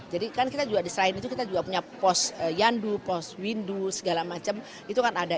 jadi kan kita juga selain itu kita juga punya pos yandu pos windu segala macam itu kan ada